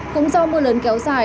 cũng do mưa lớn kéo xài